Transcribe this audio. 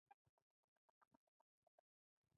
نومونه ورک دي